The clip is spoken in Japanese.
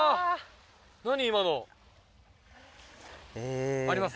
何今の？えあります？